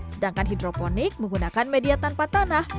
sedangkan hidroponik menggunakan media tanpa tanah